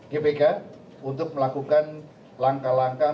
gbk untuk melakukan langkah langkah